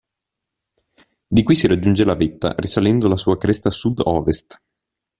Di qui si raggiunge la vetta risalendo la sua cresta sud-ovest.